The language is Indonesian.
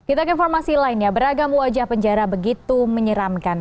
kita ke informasi lainnya beragam wajah penjara begitu menyeramkan